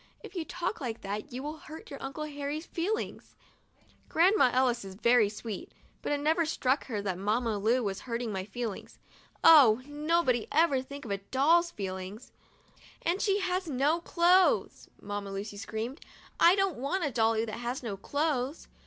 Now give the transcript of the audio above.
If you talk like that you will hurt your Uncle Harry's feel Grandma Ellis is very sweet, but it never struck her that Mamma Lu was hurting my feelings. Oh ! nobody ever thinks of a doll's feelings ! "And she has no clothes," Mamma Lucy screamed. I don't want a dolly that has no clothes!'